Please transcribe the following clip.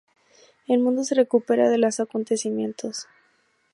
El mundo se recupera de los acontecimientos.